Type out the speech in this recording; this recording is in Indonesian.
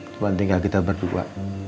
sekarang tinggal kita berdua